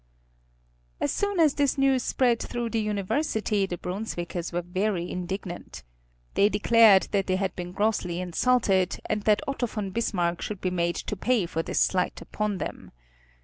As soon as this news spread through the University the Brunswickers were very indignant. They declared they had been grossly insulted, and that Otto von Bismarck should be made to pay for this slight upon them.